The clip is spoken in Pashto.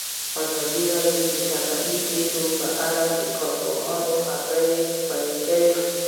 ازادي راډیو د طبیعي پېښې په اړه د کارپوهانو خبرې خپرې کړي.